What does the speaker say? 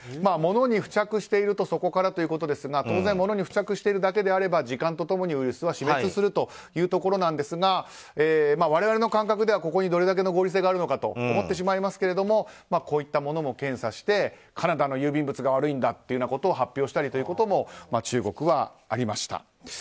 物に付着しているとそこからということですが当然、物に付着しているだけであれば時間と共にウイルスは死滅するというところなんですが我々の感覚だとここにどれだけの合理性があるのかと思ってしまいますがこういったものも検査してカナダの郵便物が悪いんだということを発表したりということも中国はありました。